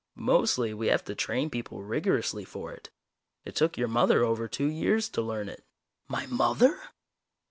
Mostly we have to train people rigorously for it. It took your mother over two years to learn it." "My mother!"